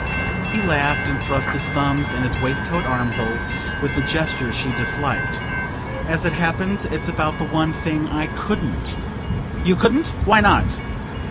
He laughed and thrust his thumbs in his waistcoat armholes with the gesture she disliked. "As it happens, it's about the one thing I couldn't." "You couldn't? Why not?"